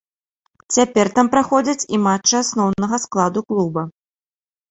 Цяпер там праходзяць і матчы асноўнага складу клуба.